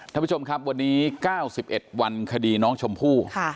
ท่านผู้ชมครับวันนี้เก้าสิบเอ็ดวันคดีน้องชมพูค่ะ